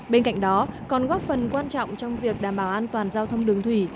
bên cạnh đó còn góp phần quan trọng trong việc đảm bảo an toàn giao thông đường thủy